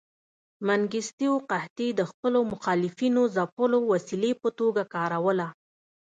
منګیستیو قحطي د خپلو مخالفینو ځپلو وسیلې په توګه کاروله.